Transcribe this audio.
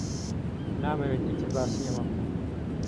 نامەوێت ئیتر باسی ئەمە بکەم.